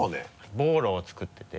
ボーロを作ってて。